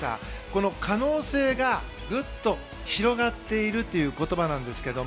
この可能性がぐっと広がっているという言葉なんですけど